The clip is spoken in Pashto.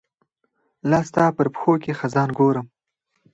لاستا په پرښوکې خزان ګورم